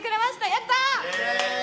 やったー！